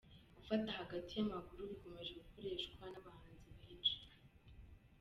Gufata hagati y'amaguru bikomeje gukoreshwa n'abahanzi benshi.